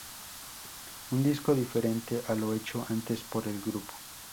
Un disco diferente a lo hecho antes por el grupo.